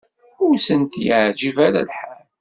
Ur sent-yeɛǧib ara lḥal.